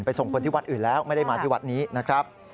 ส่งคนที่วัดอื่นแล้วไม่ได้มาที่วัดนี้นะครับ